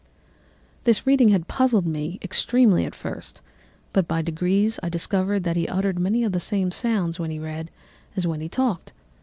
"This reading had puzzled me extremely at first, but by degrees I discovered that he uttered many of the same sounds when he read as when he talked.